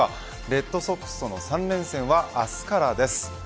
レッドソックスとの３連戦は明日からです。